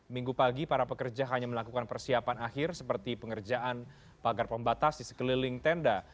minggu pagi para pekerja hanya melakukan persiapan akhir seperti pengerjaan pagar pembatas di sekeliling tenda